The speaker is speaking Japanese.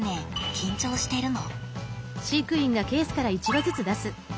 緊張してるの？